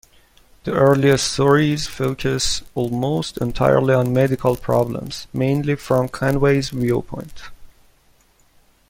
The early stories focus almost entirely on medical problems, mainly from Conway's viewpoint.